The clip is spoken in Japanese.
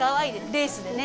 レースでね。